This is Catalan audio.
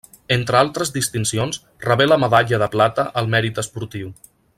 Entre altres distincions rebé la medalla de plata al mèrit esportiu.